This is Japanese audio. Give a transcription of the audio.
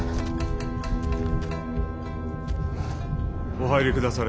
お入りくだされ。